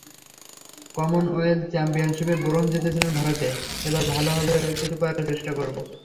Commonwealth চ্যাম্পিয়নশিপে bronze জিতেছিলাম ভারতে, এবার ভালো কিছু করার চেষ্টা করব।